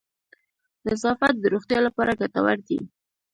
نظافت د روغتیا لپاره گټور دی.